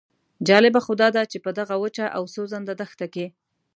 جالبه خو داده چې په دغه وچه او سوځنده دښته کې.